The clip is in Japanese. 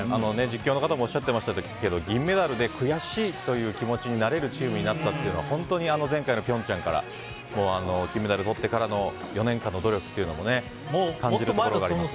実況の方もおっしゃってましたけど銀メダルで悔しいという気持ちになれるチームになったというのは本当に前回の平昌から金メダルとってからの４年間の努力も感じますね。